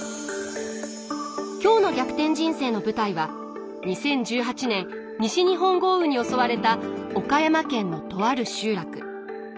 今日の「逆転人生」の舞台は２０１８年西日本豪雨に襲われた岡山県のとある集落。